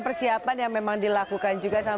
persiapan yang memang dilakukan juga sama